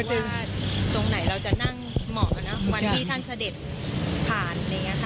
น่าจะดูว่าตรงไหนเราจะนั่งเหมาะวันที่ท่านเสด็จผ่าน